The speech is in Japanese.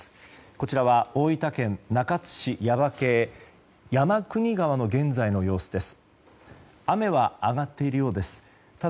こちらは大分県中津市耶馬渓山国川の現在の様子です。